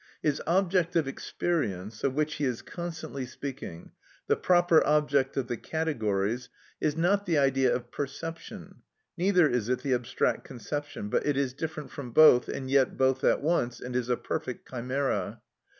His "object of experience," of which he is constantly speaking, the proper object of the categories, is not the idea of perception; neither is it the abstract conception, but it is different from both, and yet both at once, and is a perfect chimera.